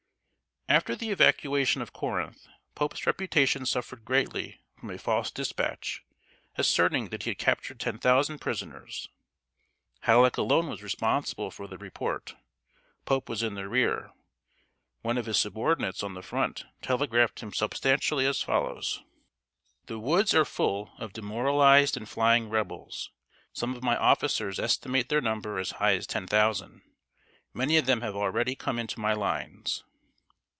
"] After the evacuation of Corinth, Pope's reputation suffered greatly from a false dispatch, asserting that he had captured ten thousand prisoners. Halleck alone was responsible for the report. Pope was in the rear. One of his subordinates on the front telegraphed him substantially as follows: "The woods are full of demoralized and flying Rebels. Some of my officers estimate their number as high as ten thousand. Many of them have already come into my lines."